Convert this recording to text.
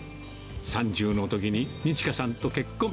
３０のときに日香さんと結婚。